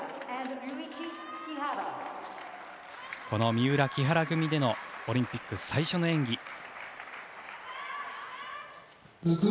この三浦、木原組でのオリンピック最初の演技。